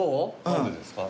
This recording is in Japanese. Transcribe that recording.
何でですか？